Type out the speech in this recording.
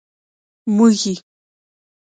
موږي.